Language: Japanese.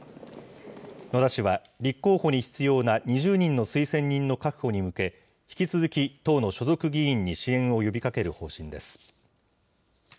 野田氏は立候補に必要な２０人の推薦人の確保に向け、引き続き党の所属議員に支援を呼びかける方針です。